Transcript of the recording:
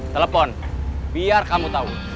telepon biar kamu tau